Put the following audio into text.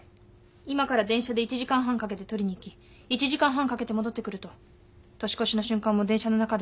今から電車で１時間半かけて取りに行き１時間半かけて戻ってくると年越しの瞬間も電車の中で迎えることになる。